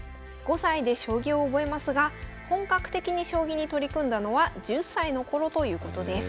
５歳で将棋を覚えますが本格的に将棋に取り組んだのは１０歳のころということです。